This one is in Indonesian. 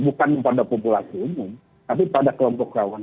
bukan pada populasi umum tapi pada kelompok rawan